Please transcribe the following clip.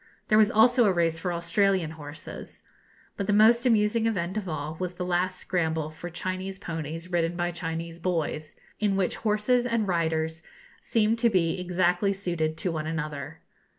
There was also a race for Australian horses. But the most amusing event of all was the last scramble for Chinese ponies ridden by Chinese boys, in which horses and riders seemed to be exactly suited to one another.